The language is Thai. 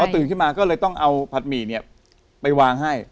ตื่นขึ้นมาก็เลยต้องเอาผัดหมี่ไปวางให้